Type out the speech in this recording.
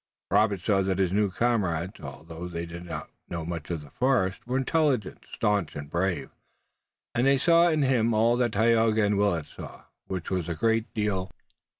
Robert saw that his new comrades, although they did not know much of the forest, were intelligent, staunch and brave, and they saw in him all that Tayoga and Willet saw, which was a great deal.